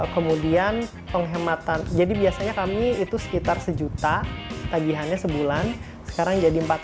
kemudian penghematan jadi biasanya kami itu sekitar sejuta tagihannya sebulan sekarang jadi empat puluh